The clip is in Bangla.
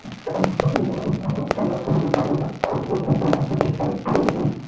পরে স্বজনেরা ঢাকা মেডিকেল কলেজ মর্গে গিয়ে তরুণীকে কাজল বলে শনাক্ত করেন।